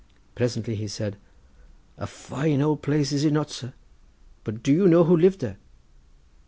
Presently he said: "A fine old place, is it not, sir? but do you know who lived there?"